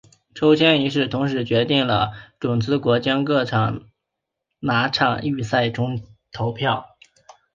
抽签仪式同时决定出种子国将各在哪场预赛中投票。